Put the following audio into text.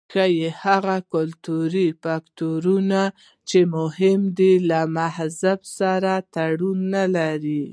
ښايي هغه کلتوري فکټورونه چې مهم دي له مذهب سره تړاو نه لري.